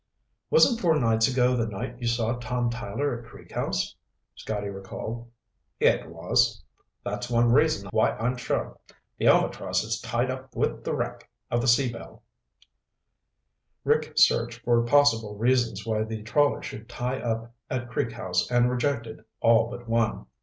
"Wasn't four nights ago the night you saw Tom Tyler at Creek House?" Scotty recalled. "It was. That's one reason why I'm sure the Albatross is tied up with the wreck of the Sea Belle." Rick searched for possible reasons why the trawler should tie up at Creek House and rejected all but one.